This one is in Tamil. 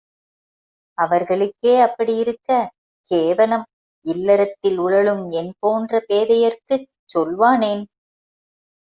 அவர்களுக்கே அப்படியிருக்க, கேவலம் இல்லறத்தில் உழலும் என்போன்ற பேதையர்க்குச் சொல்வானேன்!